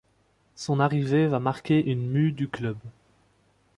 Son arrivée va marqué une mue du club.